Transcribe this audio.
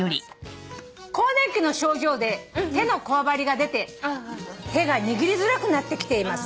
「更年期の症状で手のこわばりが出て手が握りづらくなってきています」